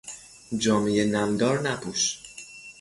جامهی نمدار نپوش!